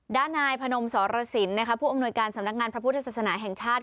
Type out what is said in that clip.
ด้านนายพนมสรสินผู้อำนวยการสำนักงานพระพุทธศาสนาแห่งชาติ